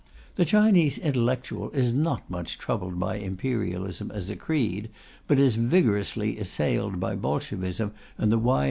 The Chinese intellectual is not much troubled by Imperialism as a creed, but is vigorously assailed by Bolshevism and the Y.